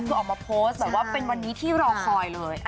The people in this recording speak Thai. คือออกมาโพสต์แบบว่าเป็นวันนี้ที่รอคอยเลย